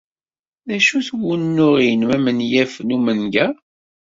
D acu-t wunuɣ-nnem amenyaf n umanga?